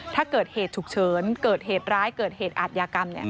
ถ้าเกิดเหตุฉุกเฉินเกิดเหตุร้ายเกิดเหตุอาทยากรรม